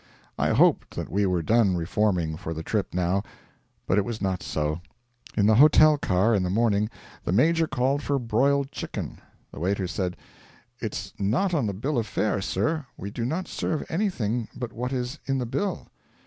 I hoped that we were done reforming for the trip now, but it was not so. In the hotel car, in the morning, the Major called for broiled chicken. The waiter said: 'It's not in the bill of fare, sir; we do not serve anything but what is in the bill.'